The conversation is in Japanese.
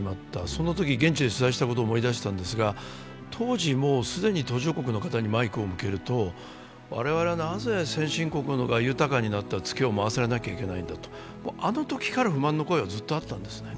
そのとき現地で取材したこと思い出したんですが当時、もう既に途上国の方にマイクを向けると我々はなぜ先進国が豊かになったツケを回されなきゃいけないんだとあのときから不満の声はずっとあったんですね。